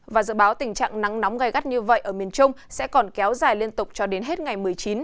và dự báo tình trạng nắng nóng gai gắt như vậy ở miền trung sẽ còn kéo dài liên tục cho đến hết ngày một mươi chín